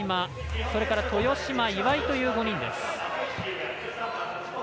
それから豊島、岩井という５人です。